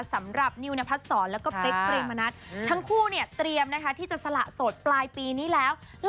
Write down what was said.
สำหรับนิวณพัทธศรและเมกไปริมณัททั้งคู่เตรียมที่จะสละสดปลายปีนี้แล้ว